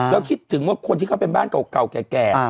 แล้วคิดถึงว่าคนที่เขาเป็นบ้านเก่าแก่